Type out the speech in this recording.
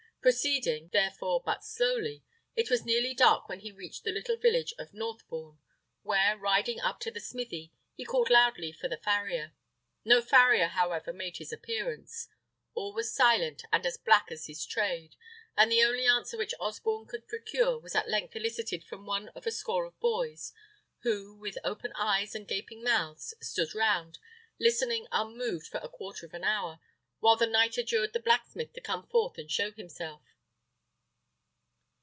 Proceeding, therefore, but slowly, it was nearly dark when he reached the little village of Northbourne, where, riding up to the smithy, he called loudly for the farrier. No farrier, however, made his appearance. All was silent, and as black as his trade; and the only answer which Osborne could procure was at length elicited from one of a score of boys, who, with open eyes and gaping mouths, stood round, listening unmoved for a quarter of an hour, while the knight adjured the blacksmith to come forth and show himself.